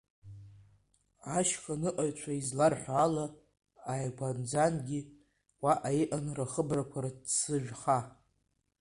Ашьханыҟәаҩцәа изларҳәо ала, ааигәанӡагьы уаҟа иҟан рхыбрақәа рцыжәха.